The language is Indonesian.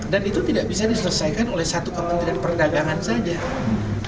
dan itu tidak bisa diselesaikan oleh satu kementerian perdagangan saja